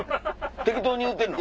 適当に言うてんの？